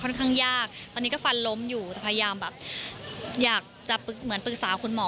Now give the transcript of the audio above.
ค่อนข้างยากตอนนี้ก็ฟันล้มอยู่แต่พยายามแบบอยากจะเหมือนปรึกษาคุณหมอ